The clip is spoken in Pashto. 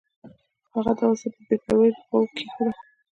هغه دا وسیله په بې پروایۍ په غوږو کې کېښوده